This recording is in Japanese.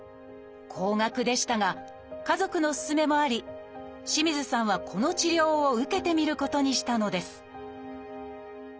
高額でしたが家族の勧めもあり清水さんはこの治療を受けてみることにしたのです「